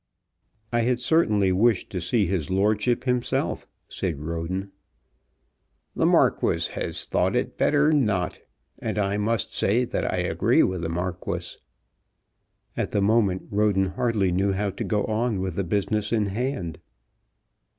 "I had certainly wished to see his lordship himself," said Roden. "The Marquis has thought it better not, and I must say that I agree with the Marquis." At the moment Roden hardly knew how to go on with the business in hand.